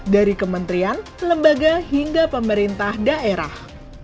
dari kementerian lembaga hingga pemerintah daerah